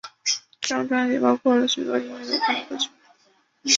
这张专辑包含了许多音乐流派的歌曲。